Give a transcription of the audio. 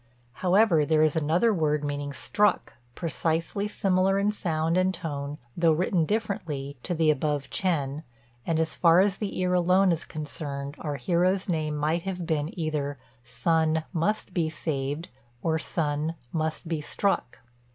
However, there is another word meaning "struck," precisely similar in sound and tone, though written differently, to the above chên; and, as far as the ear alone is concerned, our hero's name might have been either Sun Must be saved or Sun Must be struck.